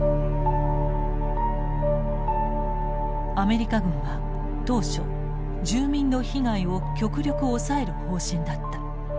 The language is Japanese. アメリカ軍は当初住民の被害を極力抑える方針だった。